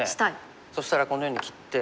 そしたらこんなふうに切って。